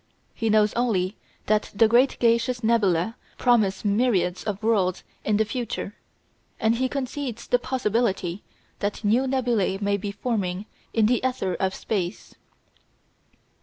He knows only that the great gaseous nebulæ promise myriads of worlds in the future, and he concedes the possibility that new nebulæ may be forming in the ether of space.